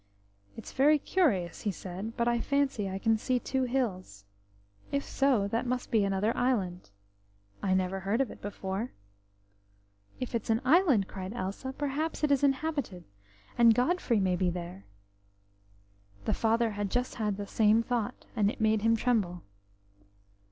"It's very curious," he said, "but I fancy I can see two hills. If so, that must be another island. I never heard of it before." "If it's an island," cried Elsa, "perhaps it is inhabited, and Godfrey may be there." The father had just the same thought, and it made him tremble.